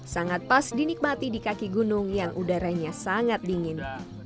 sangat pas dinikmati di kaki gunung yang udaranya sangat dingin